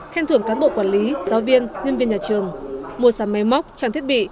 khen thưởng cán bộ quản lý giáo viên nhân viên nhà trường mua sắm máy móc trang thiết bị